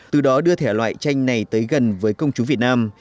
từ đó đưa thể loại tranh này tới gần với công chúng việt nam